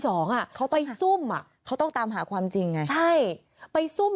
สองอ่ะเขาไปซุ่มอ่ะเขาต้องตามหาความจริงไงใช่ไปซุ่ม